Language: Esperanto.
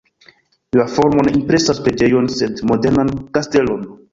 La formo ne impresas preĝejon, sed modernan kastelon.